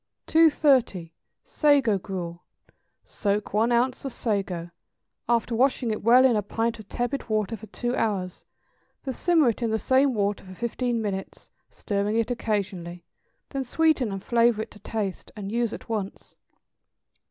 230. =Sago Gruel.= Soak one ounce of sago, after washing it well in a pint of tepid water for two hours; then simmer it in the same water for fifteen minutes, stirring it occasionally; then sweeten and flavor it to taste, and use at once.